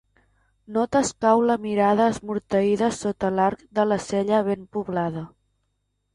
No t’escau la mirada esmorteïda sota l’arc de la cella ben poblada.